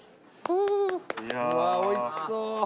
うわおいしそう。